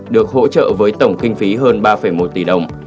được hỗ trợ với tổng kinh phí hơn ba một tỷ đồng